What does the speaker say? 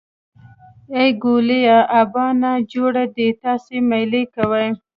ای ګوليه ابا نا جوړه دی تاسې مېلې کوئ.